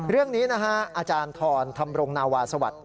เรื่องนี้นะฮะอาจารย์ทรธรรมรงนาวาสวัสดิ